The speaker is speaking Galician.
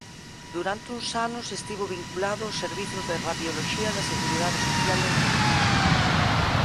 Durante uns anos estivo vinculado ao Servizo de Radioloxía da Seguridade Social en Lugo.